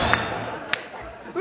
え？